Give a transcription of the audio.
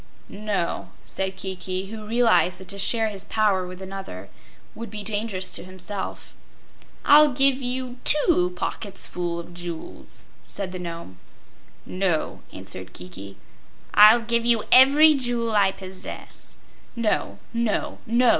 "No," said Kiki, who realized that to share his power with another would be dangerous to himself. "I'll give you TWO pocketsful of jewels," said the Nome. "No," answered Kiki. "I'll give you every jewel I possess." "No, no, no!"